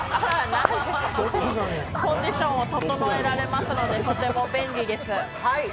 コンディションを整えられますので、とても便利です。